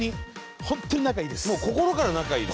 心から仲いいの？